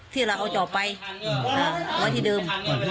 ที่เราเอาจอบไปไว้ที่เดิม